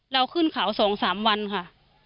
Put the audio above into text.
เราขึ้นเขา๒๓วันค่ะ